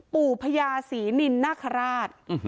ปู่พญาสีนินณคราช